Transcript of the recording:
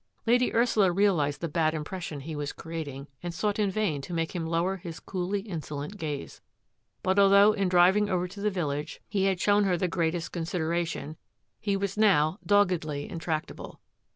Lady Ursula realised the bad impression he was creating, and sought in vain to make him lower his coolly insolent gaze. But although in driving over to the village he had shown her the greatest consideration, he was now doggedly intractable.